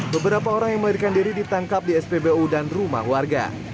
beberapa orang yang melarikan diri ditangkap di spbu dan rumah warga